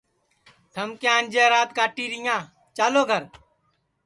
تھم کیا انجے رات کاٹیریاں چالو گھر